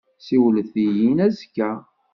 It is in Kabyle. Siwlet-iyi-n azekka.